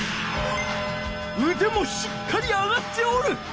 うでもしっかり上がっておる。